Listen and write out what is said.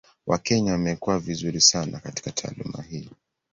Wakenya wamekuwa vizuri sana katika taaluma hii.